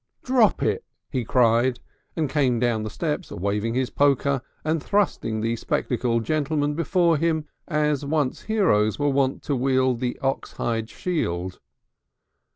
"Drop it!" he cried, and came down the steps waving his poker and thrusting the spectacled gentleman before him as once heroes were wont to wield the ox hide shield.